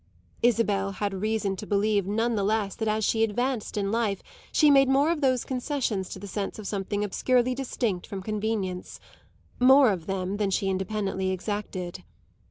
Isabel had reason to believe none the less that as she advanced in life she made more of those concessions to the sense of something obscurely distinct from convenience more of them than she independently exacted.